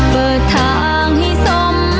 เปิดทางให้สม